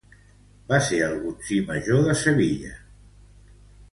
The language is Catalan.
Va ser algutzir major de Sevilla.